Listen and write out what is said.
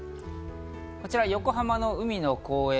こちら横浜の海の公園。